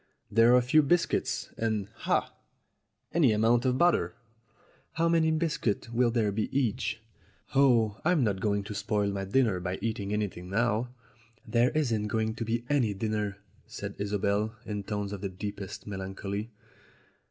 There are a few biscuits, and ah! any amount of butter." "How many biscuits will there be each ?" "Oh, I'm not going to spoil my dinner by eating anything now." "There isn't going to be any dinner," said Isobel, in tones of the deepest melancholy.